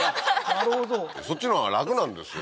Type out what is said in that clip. なるほどそっちのほうが楽なんですよ